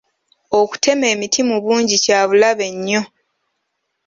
Okutema emiti mu bungi kya bulabe nnyo.